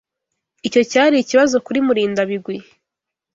Icyo cyari ikibazo kuri Murindabigwi.